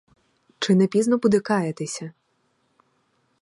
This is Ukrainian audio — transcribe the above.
Чи не пізно буде каятися?